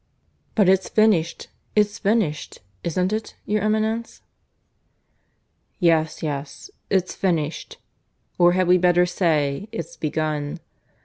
"But it's finished it's finished, isn't it, your Eminence?" "Yes, yes, it's finished. Or had we better say it's begun.